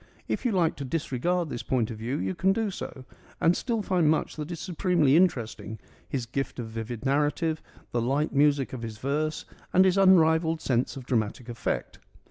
If you like to disregard this point of view you can do so, and still find much that is supremely interesting — his gift of vivid narrative, the light music of his verse, and his unrivalled sense of dramatic effect.